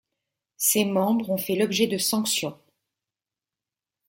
Ces membres ont fait l'objet de sanctions.